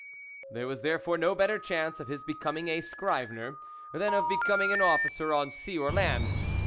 There was, therefore, no better chance of his becoming a scrivener than of be coming an officer on sea or land.